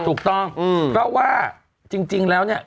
ถูกต้องเพราะว่าจริงแล้วเนี่ย